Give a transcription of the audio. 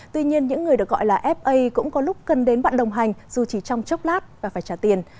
tuy nhiên những người được gọi là fa cũng có lúc cần đến bạn đồng hành dù chỉ trong chốc lát và phải trả tiền